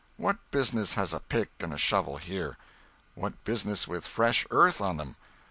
] What business has a pick and a shovel here? What business with fresh earth on them?